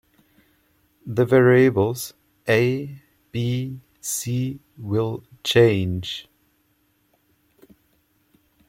The variables "A, B, C" will change.